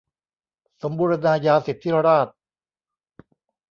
สมบูรณาญาสิทธิราชย์